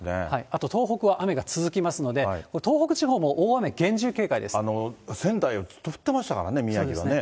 あと東北は雨が続きますので、東北地方も大雨、仙台、ずっと降ってましたからね、宮城はね。